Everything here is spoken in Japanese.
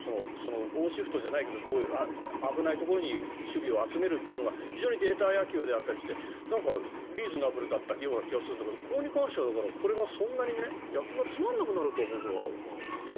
王シフトじゃないけど危ないところに守備を集めるのが非常にデータ野球であってリーズナブルだった気がするんですけどここに関しては、これがそんなに野球がつまらなくなるとは僕は思えないな。